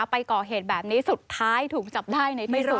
ไปก่อเหตุแบบนี้สุดท้ายถูกจับได้ในที่สุด